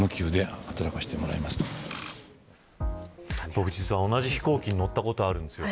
僕、実は同じ飛行機に乗ったことがあるんです。